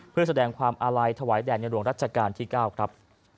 เพื่อแสดงความอาลัยถวายแด่ในหลวงรัชกาลที่๙ครับ